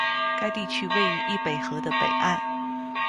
该地区位于易北河的北岸。